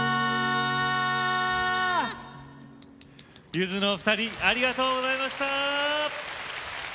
ゆずのお二人ありがとうございました。